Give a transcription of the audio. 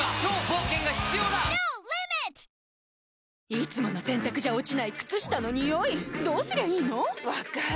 いつもの洗たくじゃ落ちない靴下のニオイどうすりゃいいの⁉分かる。